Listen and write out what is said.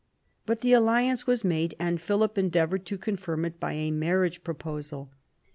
But the alliance was made, and Philip endeavoured to confirm it by a marriage proposal.